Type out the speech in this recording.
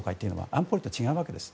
安保理と違うわけです。